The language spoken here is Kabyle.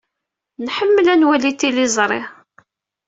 Nḥemmel ad nwali tiliẓri.